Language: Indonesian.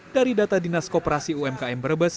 dari data dinas koperasi umkm brebes